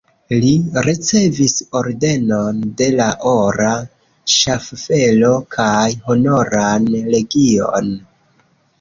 Li ricevis Ordenon de la Ora Ŝaffelo kaj Honoran legion.